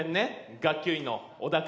学級委員の小田君。